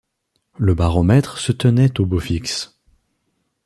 Le baromètre se tenait au beau fixe.